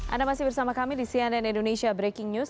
anda masih bersama kami di cnn indonesia breaking news